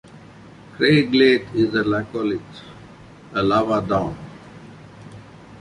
Craigleith is a laccolith, a lava dome.